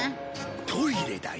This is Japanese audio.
トイレだよ。